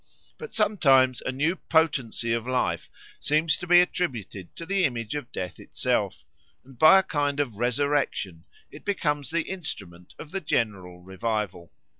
But sometimes a new potency of life seems to be attributed to the image of Death itself, and by a kind of resurrection it becomes the instrument of the general revival.